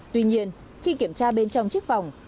tuy nhiên khi kiểm tra bên trong chiếc vòng